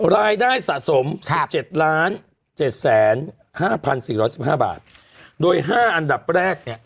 รายได้สะสม๑๗๗๕๔๑๕บาทโดย๕อันดับแรกเนี่ย